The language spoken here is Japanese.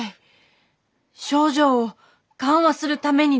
症状を緩和するためにです。